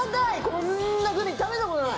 こんなグミ食べたことない！